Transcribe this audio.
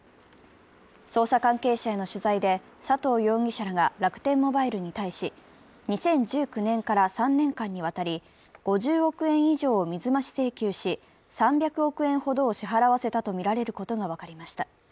捜査関係者への取材で佐藤容疑者が楽天モバイルに対し、２０１９年から３年間にわたり、５０億円以上を水増し請求し３００億円ほどを支払わせたとみられることが分かりました。